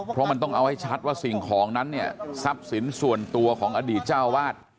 เพราะมันต้องเอาให้ชัดว่าสิ่งของนั้นเนี่ยทรัพย์สินส่วนตัวของอดีตเจ้าวาด